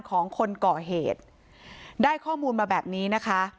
ของคนก่อเหตุได้ข้อมูลมาแบบนี้นะคะ